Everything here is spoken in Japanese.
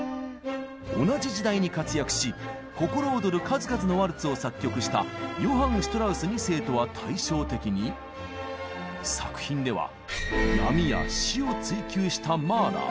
同じ時代に活躍し心躍る数々のワルツを作曲したヨハン・シュトラウス２世とは対照的に作品では「闇」や「死」を追求したマーラー。